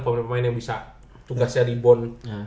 pemain pemain yang bisa tugasnya di bone